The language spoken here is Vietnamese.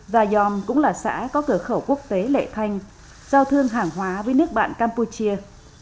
giàym cũng là xã có cửa khẩu quốc tế lệ thanh giao thương hàng hóa với nước bạn campuchia